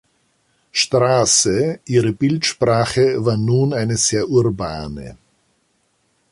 Straße, ihre Bildsprache war nun eine sehr urbane.